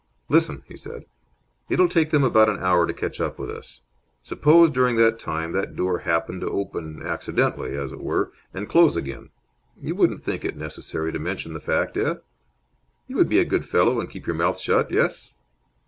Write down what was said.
"Listen!" he said. "It'll take them an hour to catch up with us. Suppose, during that time, that door happened to open accidentally, as it were, and close again? You wouldn't think it necessary to mention the fact, eh? You would be a good fellow and keep your mouth shut, yes?